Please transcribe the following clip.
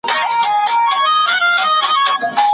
چي نه رقیب نه محتسب وي نه قاضي د محل